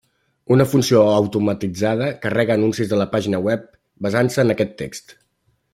Una funció automatitzada carrega anuncis a la pàgina web basant-se en aquest text.